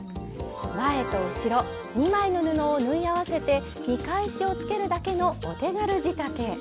前と後ろ２枚の布を縫い合わせて見返しをつけるだけのお手軽仕立て。